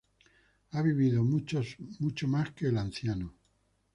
Ha vivido mucho más que el anciano.